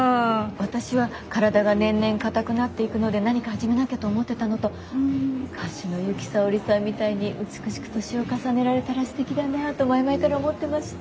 私は体が年々硬くなっていくので何か始めなきゃと思ってたのと歌手の由紀さおりさんみたいに美しく年を重ねられたらすてきだなと前々から思ってまして。